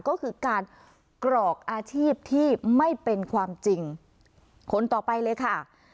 ก็คือการกรอกอาชีพที่ไม่เป็นความจริงคนต่อไปเลยค่ะ